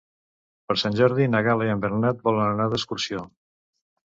Per Sant Jordi na Gal·la i en Bernat volen anar d'excursió.